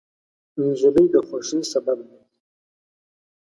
نجلۍ د خوښۍ سبب ده.